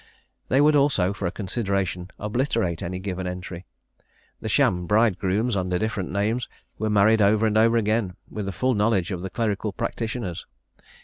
They would also, for a consideration, obliterate any given entry. The sham bridegrooms, under different names, were married over and over again, with the full knowledge of the clerical practitioners.